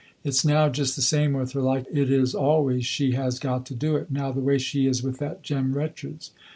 Its now just the same with her like it is always she has got to do it, now the way she is with that Jem Richards.